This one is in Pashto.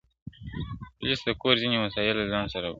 o پوليس د کور ځيني وسايل له ځان سره وړي,